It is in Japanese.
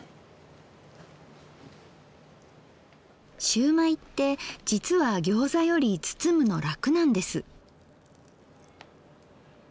しゅうまいってじつはギョーザより包むの楽なんです。